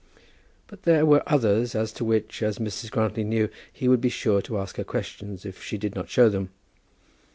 But there were others as to which, as Mrs. Grantly knew, he would be sure to ask her questions if she did not show them.